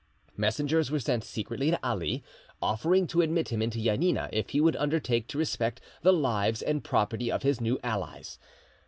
Messengers were sent secretly to Ali, offering to admit him into Janina if he would undertake to respect the lives and property of his new allies.